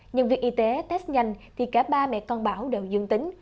những việc y tế test nhanh thì cả ba mẹ con bảo đều dương tính